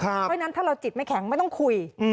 เพราะฉะนั้นถ้าเราจิตไม่แข็งไม่ต้องคุย